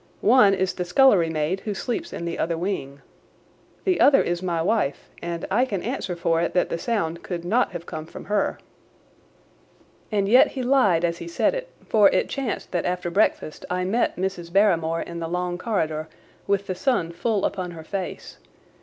"One is the scullery maid, who sleeps in the other wing. The other is my wife, and I can answer for it that the sound could not have come from her." And yet he lied as he said it, for it chanced that after breakfast I met Mrs. Barrymore in the long corridor with the sun full upon her face.